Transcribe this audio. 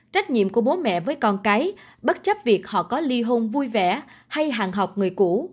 trách nhiệm của bố mẹ với con cái bất chấp việc họ có ly hôn vui vẻ hay hàng học người cũ